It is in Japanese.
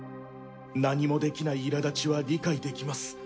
何もできない苛立ちは理解できます。